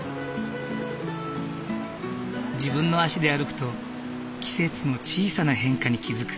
自分の足で歩くと季節の小さな変化に気付く。